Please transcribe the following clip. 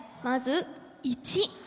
まず１。